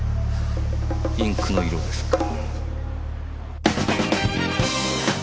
インクの色ですか。